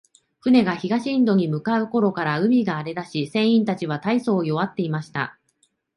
船が東インドに向う頃から、海が荒れだし、船員たちは大そう弱っていました。